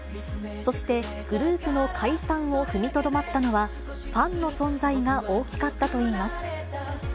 そして、グループの解散を踏みとどまったのは、ファンの存在が大きかったといいます。